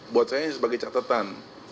buat saya sebagai catatan